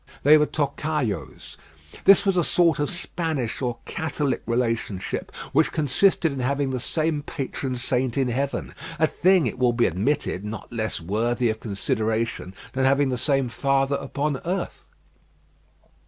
They were Tocayos. This was a sort of Spanish or Catholic relationship which consisted in having the same patron saint in heaven; a thing, it will be admitted, not less worthy of consideration than having the same father upon earth.